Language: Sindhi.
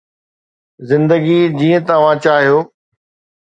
زندگي جيئن توهان چاهيو